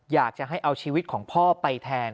อยากจะให้เอาชีวิตของพ่อไปแทน